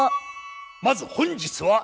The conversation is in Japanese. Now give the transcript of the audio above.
まず本日は。